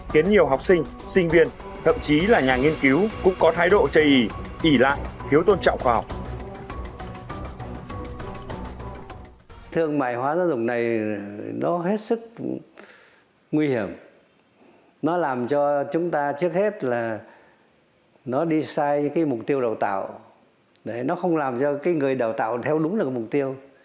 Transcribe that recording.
khiến nhiều học sinh sinh viên thậm chí là nhà nghiên cứu cũng có thái độ chây ị